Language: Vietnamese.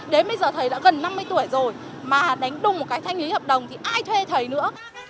đến bây giờ thầy đã gần năm mươi tuổi rồi mà đánh đúng một cái thanh lý hợp đồng thì ai thuê thầy nữa